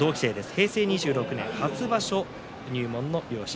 平成２６年初場所入門の両者。